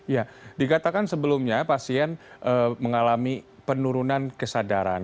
ya dikatakan sebelumnya pasien mengalami penurunan kesadaran